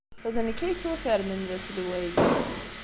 D nekk ay yettwafernen d aselway.